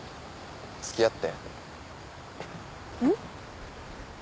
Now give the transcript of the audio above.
付き合って！